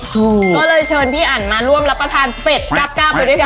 ถูกก็เลยเชิญพี่อันมาร่วมรับประทานเป็ดกราบไปด้วยกัน